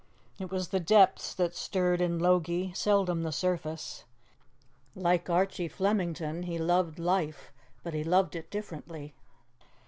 It was the depths that stirred in Logie, seldom the surface. Like Archie Flemington, he loved life, but he loved it differently.